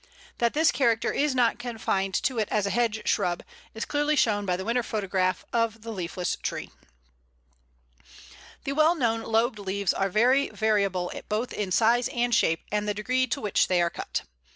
That this character is not confined to it as a hedge shrub is clearly shown by the winter photograph of the leafless tree. [Illustration: Hawthorn, or May. A, fruit ("haws").] The well known lobed leaves are very variable both in size and shape, and the degree to which they are cut.